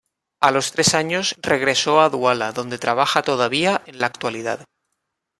A los tres años regresó a Duala, donde trabaja todavía en la actualidad.